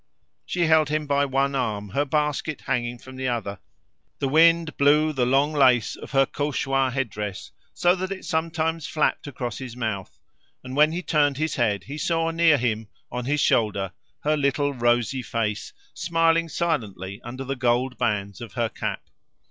She held him by one arm, her basket hanging from the other; the wind blew the long lace of her Cauchois headdress so that it sometimes flapped across his mouth, and when he turned his head he saw near him, on his shoulder, her little rosy face, smiling silently under the gold bands of her cap.